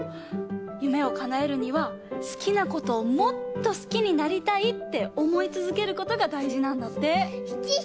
夢をかなえるには好きなことをもっと好きになりたいっておもいつづけることがだいじなんだって。